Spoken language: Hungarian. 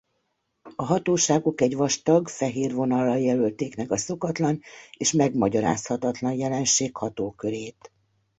A hatóságok egy vastag fehér vonallal jelölték meg a szokatlan és megmagyarázhatatlan jelenség hatókörét.